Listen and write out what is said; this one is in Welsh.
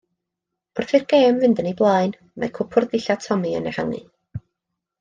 Wrth i'r gêm fynd yn ei blaen, mae cwpwrdd dillad Tommy yn ehangu.